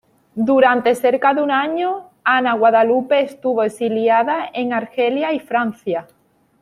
Durante cerca de un año Ana Guadalupe estuvo exiliada en Argelia y Francia.